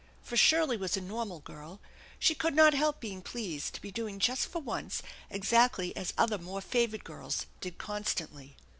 For Shirley was a normal girl. She could not help being pleased to be doing just for once exactly as other more favored girls did constantly.